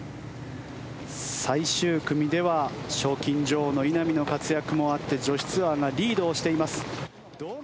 最終組では賞金女王の稲見の活躍もあって女子ツアーがリードをしています。